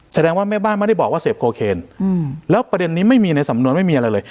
แสดงว่าแม่บ้านไม่ได้บอกว่าเสพโคเคนแล้วประเด็นนี้ไม่มีในสำนวนไม่มีอะไรเลย